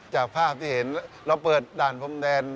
จากภาพที่เห็นเราเปิดด่านพรมแดน